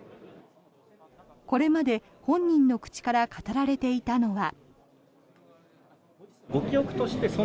これまで本人の口から語られていたのは。